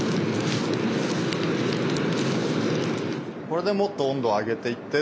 これでもっと温度を上げていって。